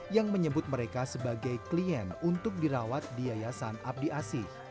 yang menyebut mereka sebagai klien untuk dirawat di yayasan abdi asih